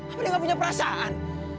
apa dia gak punya perasaan